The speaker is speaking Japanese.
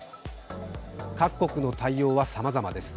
各国の対応はさまざまです。